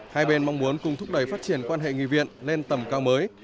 hai bên mong muốn cùng thúc đẩy phát triển quan hệ nghị viện lên tầm cao mới